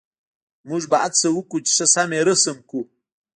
موږ به هڅه وکړو چې ښه یې رسم کړو